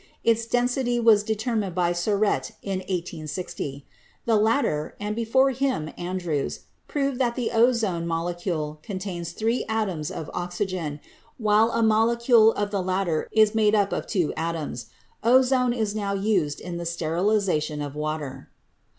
Its density was determined by Soret in i860. The latter, and before him Andrews, proved that the ozone molecule contains three atoms of oxygen, while a molecule of the latter is made up of two atoms. Ozone is now used in the sterilization of water.